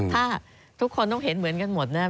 ถ้าทุกคนต้องเห็นเหมือนกันหมดนะครับ